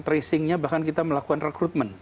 tracingnya bahkan kita melakukan rekrutmen